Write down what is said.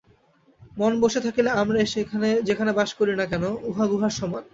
মন বশে থাকিলে আমরা যেখানে বাস করি না কেন, উহা গুহার সমান।